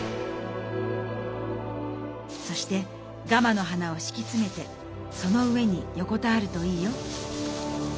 「そしてガマの花をしきつめてその上によこたわるといいよ。